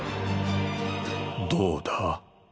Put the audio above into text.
どうだ？